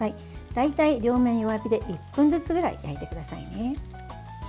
大体、両面弱火で１分ずつぐらい焼いてくださいね。